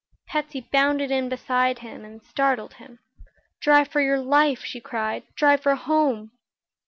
Patsy bounded in beside him and startled him. "Drive for your life!" she cried. "Drive for home!"